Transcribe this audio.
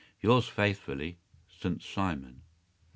Yours faithfully, St. Simon.